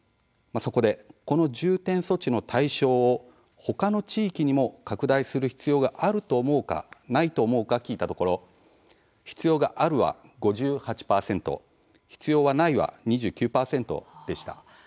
そこで、この重点措置の対象をほかの地域にも拡大する必要があると思うか、ないと思うかを聞いたところ「必要がある」は５８％「必要はない」は２９％でした。